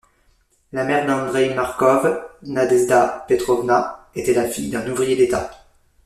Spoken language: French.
La mère d'Andreï Markov, Nadezhda Petrovna, était la fille d'un ouvrier d'État.